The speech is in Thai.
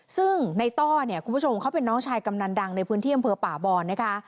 ซึ่งในต้อเนี่ยคุณผู้ชมเขาเป็นน้องชายกำนันดังในพื้นที่อำเภอป่าบอนนะคะ